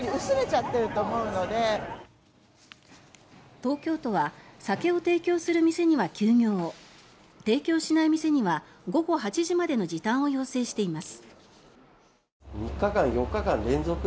東京都は酒を提供する店には休業を提供しない店には午後８時までの時短を要請しています。